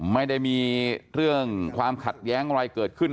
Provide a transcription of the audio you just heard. ไม่ได้มีเรื่องความขัดแย้งอะไรเกิดขึ้น